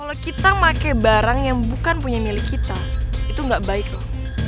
kalo kita pake barang yang bukan punya milik kita itu gak baik loh